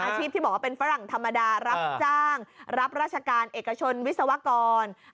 ที่บอกว่าเป็นฝรั่งธรรมดารับจ้างรับราชการเอกชนวิศวกร